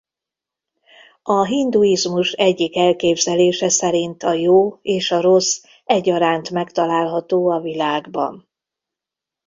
A hinduizmus egyik elképzelése szerint a jó és a rossz egyaránt megtalálható a világban.